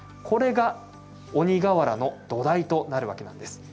これが鬼がわらの土台となるわけなんです。